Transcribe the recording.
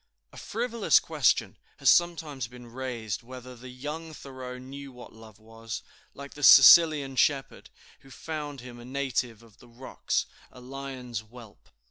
A frivolous question has sometimes been raised whether the young Thoreau knew what love was, like the Sicilian shepherd, who found him a native of the rocks, a lion's whelp.